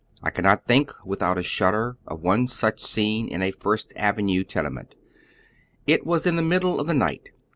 I cannot think without a shudder of one such scene in a First Avenue tenement. It was in the middle of the night.